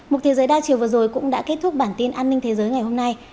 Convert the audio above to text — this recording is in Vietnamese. một thế giới đa chiều vừa rồi cũng đã kết thúc bản tin an ninh thế giới ngày hôm nay